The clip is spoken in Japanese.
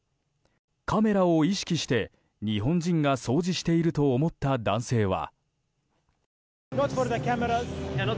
カメラを意識して、日本人が掃除していると思った男性は。